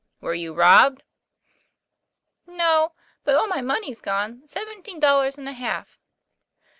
" Were you robbed ?"" No; but all my money's gone, seventeen dollars and a half."